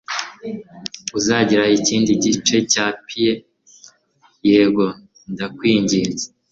Uzagira ikindi gice cya pie?" "Yego, ndakwinginze."